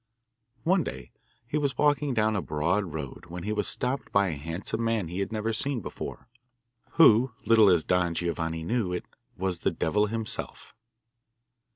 One day he was walking down a broad road when he was stopped by a handsome man he had never seen before, who, little as Don Giovanni knew it, was the devil himself.